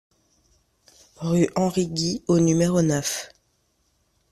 Rue Henry Guy au numéro neuf